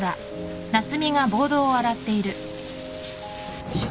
よいしょ。